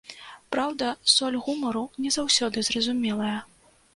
Праўда, соль гумару не заўсёды зразумелая.